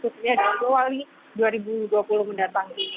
khususnya dalam jawa wali dua ribu dua puluh mendatang